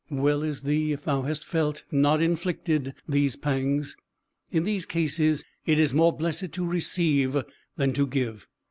Well is thee if thou hast felt, not inflicted, these pangs; in these cases it is more blessed to receive than to give.